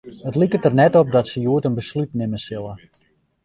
It liket der net op dat se hjoed in beslút nimme sille.